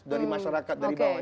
dari masyarakat dari bawah